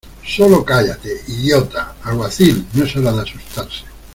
¡ Sólo cállate, idiota! Alguacil , no es hora de asustarse.